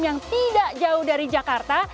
yang tidak jauh dari jakarta